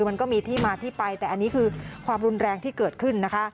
มันก็มีที่มาที่ไปแต่อันนี้คือความรุนแรงที่เกิดขึ้นนะคะ